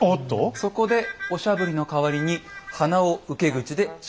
そこでおしゃぶりの代わりに鼻を受け口でしゃぶっている。